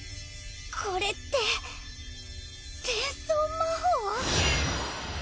これって転送魔法？